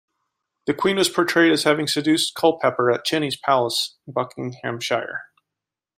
The Queen was portrayed as having seduced Culpeper at Chenies Palace in Buckinghamshire.